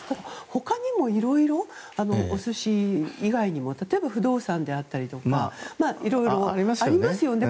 他にもいろいろお寿司以外にも例えば不動産であったりいろいろありますよね。